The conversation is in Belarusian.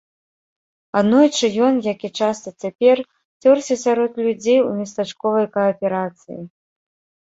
Аднойчы ён, як і часта цяпер, цёрся сярод людзей у местачковай кааперацыі.